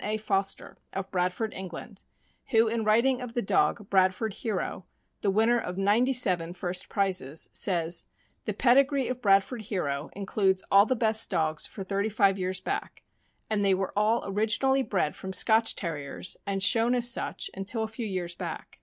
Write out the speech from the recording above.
A. Foster, of Bradford, England, who in writing of the dog Bradford Hero, the winner of ninety seven first prizes, says: " The pedigree of Bradford Hero includes all the best dogs for thirty five years back, and they were all originally bred from Scotch Terriers, and shown as such until a few years back.